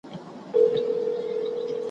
له ظالمه به مظلوم ساتل کېدلای ,